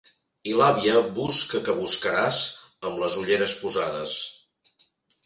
I l'àvia busca que buscaràs, amb les ulleres posades.